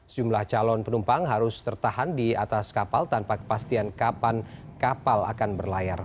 sejumlah calon penumpang harus tertahan di atas kapal tanpa kepastian kapan kapal akan berlayar